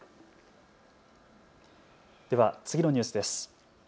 では次のニュースです。